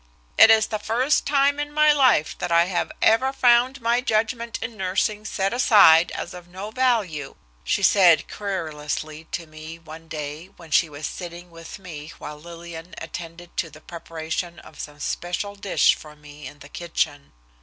"It is the first time in my life that I have ever found my judgment in nursing set aside as of no value," she said querulously to me one day when she was sitting with me while Lillian attended to the preparation of some special dish for me in the kitchen.